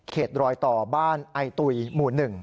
รอยต่อบ้านไอตุ๋ยหมู่๑